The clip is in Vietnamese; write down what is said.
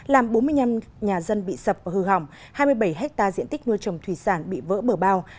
làm bốn mươi năm nhà dân bị sập và hư hỏng hai mươi bảy hectare diện tích nuôi trồng thủy sản bị vỡ bờ bao